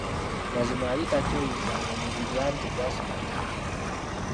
Mazima yali takyeyinza ng'omubiri anti gwasannyalala dda.